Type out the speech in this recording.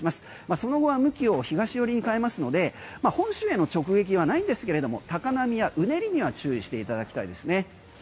その後は向きを東寄りに変えますので本州への直撃はないんですけれども高波やうねりには注意していただきたいですね。